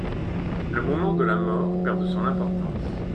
Le moment de la mort perd de son importance.